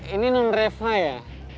ini nen reva ya